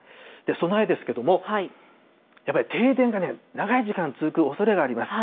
備えですけれども、やっぱり停電が長い時間続くおそれがあります。